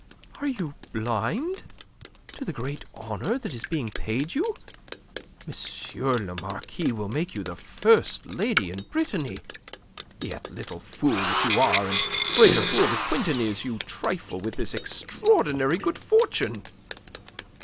"Are you blind to the great honour that is being paid you? M. le Marquis will make you the first lady in Brittany. Yet, little fool that you are, and greater fool that Quintin is, you trifle with this extraordinary good fortune!